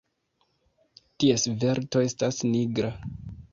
Ties verto estas nigra.